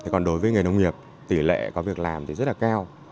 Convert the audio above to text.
còn đối với nghề nông nghiệp tỷ lệ có việc làm rất cao